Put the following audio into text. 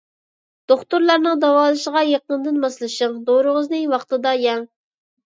دوختۇرلارنىڭ داۋالىشىغا يېقىندىن ماسلىشىڭ، دورىڭىزنى ۋاقتىدا يەڭ.